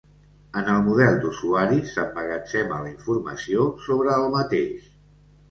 En el model d'usuari s'emmagatzema la informació sobre el mateix.